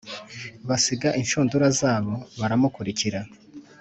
Basiga inshundura zabo baramukurikira